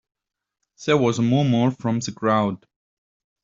There was a murmur from the crowd.